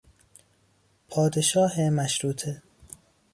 پادشاه مشروطه